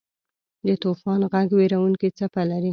د طوفان ږغ وېرونکې څپه لري.